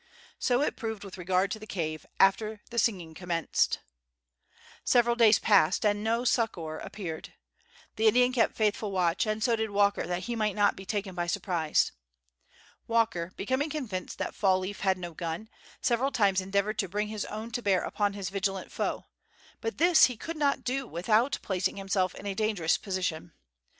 So it proved with regard to the cave, after the singing commenced. Several days passed, and no succor appeared. The Indian kept faithful watch, and so did Walker, that he might not be taken by surprise. Walker becoming convinced that Fall leaf had no gun, several times endeavored to bring his own to bear upon his vigilant foe, but this he could not do without placing himself in a dangerous position.